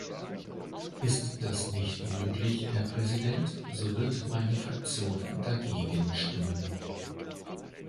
Ist das nicht möglich, Herr Präsident, so wird meine Fraktion dagegen stimmen.